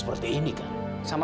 tentang jantung aida